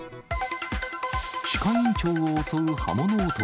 歯科院長を襲う、刃物男。